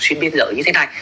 xuyên biên giới như thế này